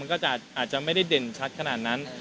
ก็อาจจะไม่ได้เด่นชัดขนาดนั้น